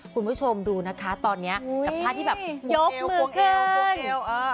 คุณผู้ชมดูนะคะตอนนี้กับถ้าที่ยกมือขึ้น